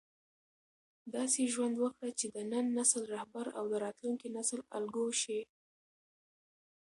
داسې ژوند وکړه چې د نن نسل رهبر او د راتلونکي نسل الګو شې.